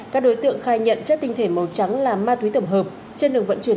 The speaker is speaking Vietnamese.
các đối tượng khai nhận chất tinh thể màu trắng là ma túy tổng hợp trên đường vận chuyển